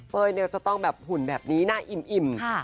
เป้ยจะต้องหุ่นแบบนี้หน้าอิ่มค่ะ